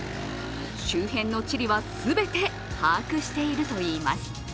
周辺の地理は全て把握しているといいます。